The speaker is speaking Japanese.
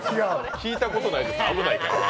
聞いたことないです、危ないから。